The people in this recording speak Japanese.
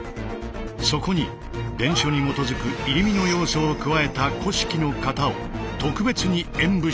そこに伝書に基づく入身の要素を加えた古式の型を特別に演武してくれた。